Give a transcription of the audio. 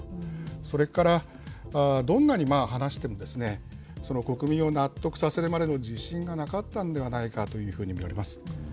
それから、どんなに話しても、国民を納得させるまでの自信がなかったんではないかというふうに見られます。